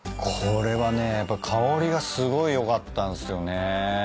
これはねやっぱ香りがすごい良かったんすよね。